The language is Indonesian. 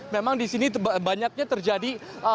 memang di sini banyaknya terjadi